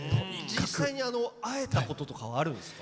実際に会えたこととかはあるんですか？